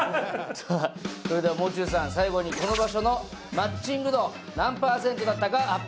さあそれではもう中さん最後にこの場所の街ッチング度何パーセントだったか発表してください。